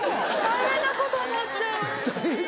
大変なことになっちゃうホントに。